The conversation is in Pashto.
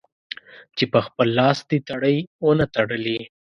چې په خپل لاس دې تڼۍ و نه تړلې.